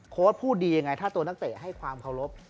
พูดดียังไงถ้าตัวนักเตะให้ความเคารพ